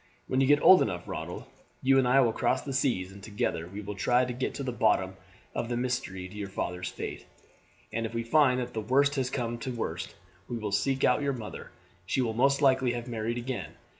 When you get old enough, Ronald, you and I will cross the seas, and together we will try and get to the bottom of the mystery of your father's fate, and if we find that the worst has come to the worst, we will seek our your mother. She will most likely have married again.